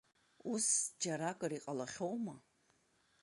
Ус џьаракыр иҟалахьоума?